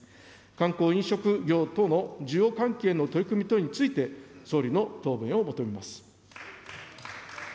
観光・飲食業等の需要喚起への取り組み等について、総理の答弁を求めます。